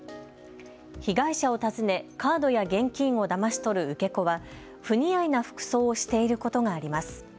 被害者を訪ねカードや現金をだまし取る受け子は不似合いな服装をしていることがあります。